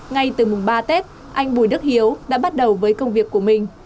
ngay từ mùng ba tết anh bùi đức hiếu đã bắt đầu với công việc của mình